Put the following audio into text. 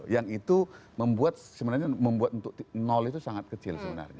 yang itu membuat sebenarnya membuat untuk nol itu sangat kecil sebenarnya